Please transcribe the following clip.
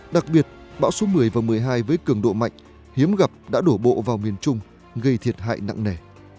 đặc biệt bão số một mươi và một mươi hai với cường độ mạnh hiếm gặp đã đổ bộ vào miền trung gây thiệt hại nặng nề